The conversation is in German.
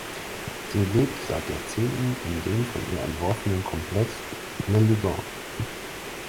Sie lebt seit Jahrzehnten in dem von ihr entworfenen Komplex "Le Liegat".